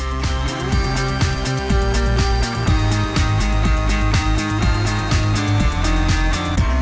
หรือทรัพย์ที่มีอยู่ในวัด